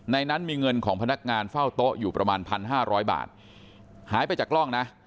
นั้นมีเงินของพนักงานเฝ้าโต๊ะอยู่ประมาณ๑๕๐๐บาทหายไปจากกล้องนะ